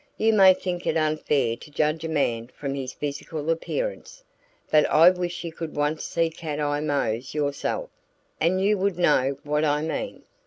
You may think it unfair to judge a man from his physical appearance, but I wish you could once see Cat Eye Mose yourself, and you would know what I mean.